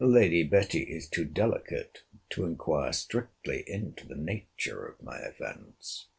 Lady Betty is too delicate to inquire strictly into the nature of my offence.